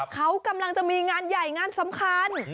เขากำลังจะมีงานใหญ่งานสำคัญ